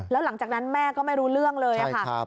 แล้วหลังจากนั้นแม่ก็ไม่รู้เรื่องเลยค่ะ